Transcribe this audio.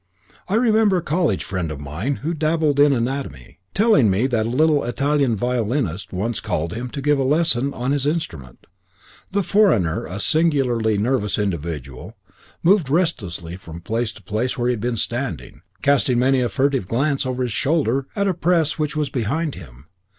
I remember a college friend of mine, who dabbled in anatomy, telling me that a little Italian violinist once called on him to give a lesson on his instrument. The foreigner a singularly nervous individual moved restlessly from the place where he had been standing, casting many a furtive glance over his shoulder at a press which was behind him.